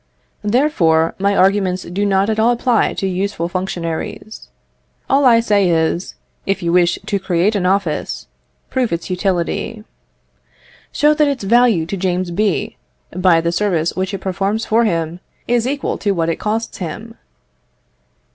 Therefore, my arguments do not at all apply to useful functionaries. All I say is, if you wish to create an office, prove its utility. Show that its value to James B., by the services which it performs for him, is equal to what it costs him.